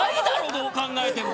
どう考えても。